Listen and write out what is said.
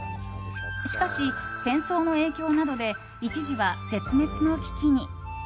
しかし、戦争の影響などで一時は絶滅の危機に。